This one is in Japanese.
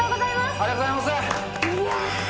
ありがとうございます。